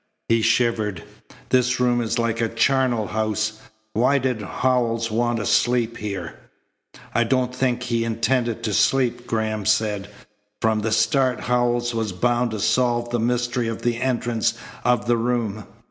He shivered. "This room is like a charnel house. Why did Howells want to sleep here?" "I don't think he intended to sleep," Graham said. "From the start Howells was bound to solve the mystery of the entrance of the room.